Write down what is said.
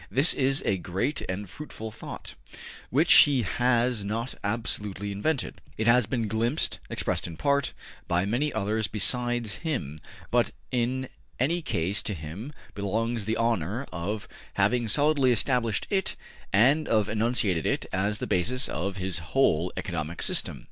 This is a great and fruitful thought, which he has not absolutely invented; it has been glimpsed, expressed in part, by many others besides him; but in any case to him belongs the honor of having solidly established it and of having enunciated it as the basis of his whole economic system.